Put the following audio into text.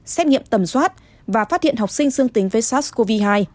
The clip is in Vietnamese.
xét nghiệm tầm soát và phát hiện học sinh dương tính với sars cov hai